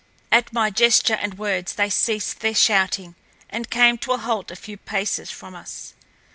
At my gesture and words they ceased their shouting and came to a halt a few paces from us.